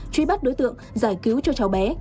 truy bắt đối tượng giải cứu cho cháu bé